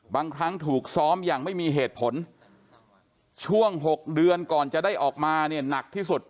บางครั้งถูกซ้อมอย่างไม่มีเหตุผลช่วง๖เดือนก่อนจะได้ออกมาเนี่ยหนักที่สุด